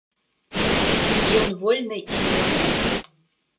Ён вольны і малады.